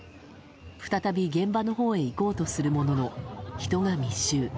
再び現場のほうへ行こうとするものの人が密集。